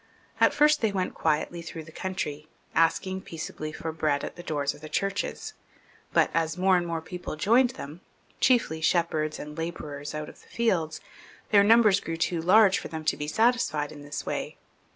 At first they went quietly through the country, asking peaceably for bread at the doors of the churches ; but as more and more people joined them, chiefly shepherds and labourers out of the fields, their numbers grew too large for them to be satis fied in this way.